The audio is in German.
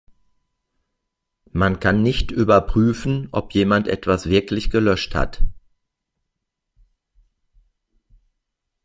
Man kann nicht überprüfen, ob jemand etwas wirklich gelöscht hat.